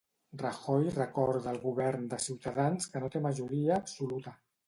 Rajoy recorda al govern de Cs que no té majoria absoluta.